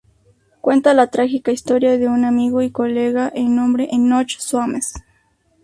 Cuenta la trágica historia de un amigo y colega de nombre Enoch Soames.